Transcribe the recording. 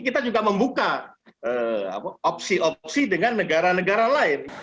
kita juga membuka opsi opsi dengan negara negara lain